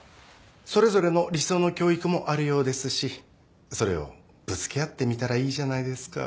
それぞれの理想の教育もあるようですしそれをぶつけ合ってみたらいいじゃないですか。